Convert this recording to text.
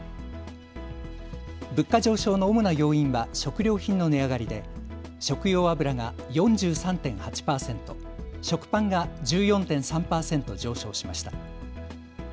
物価上昇の主な要因は食料品の値上がりで食用油が４３．８％、食パンが１４．３％上昇しました。